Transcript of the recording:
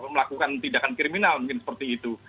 melakukan tindakan kriminal mungkin seperti itu